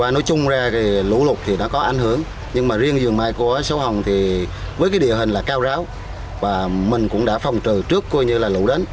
nhưng vườn mai của sáu hồng thì với cái địa hình là cao ráo và mình cũng đã phòng trừ trước coi như là lũ đấn